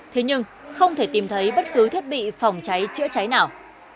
thế nhưng không thể tìm thấy bất cứ thiết bị phòng cháy chữa cháy nào